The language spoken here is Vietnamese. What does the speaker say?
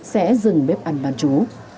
sẽ dừng bếp anh bán chú